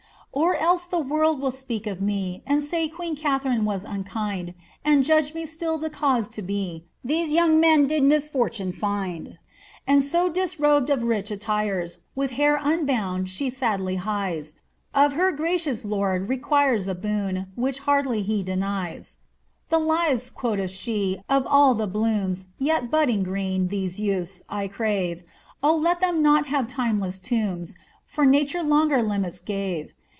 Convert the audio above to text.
*0r else the world will speak of me, Ami saj queen Katharine was unkind ; And judge me still the cause to be, These 3roung men did misfortune find.' And to disrobed of rich attire^ With hair unbound, she sadly hies, And of her gracious lord requires A boon, which hardly he denies. *Tbe hrm (qaoch she) of all the blooms Tet bndding green (these youths) I crave; 0 let them not hare timeless tombs, For nature longer limits gave.'